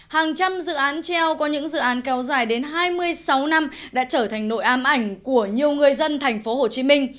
hàng trăm dự án treo có những dự án kéo dài đến hai mươi sáu năm đã trở thành nội am ảnh của nhiều người dân tp hcm